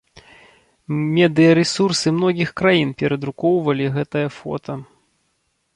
Медыярэсурсы многіх краін перадрукоўвалі гэтае фота.